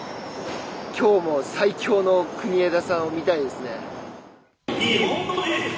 きょうも最強の国枝さんを見たいですね。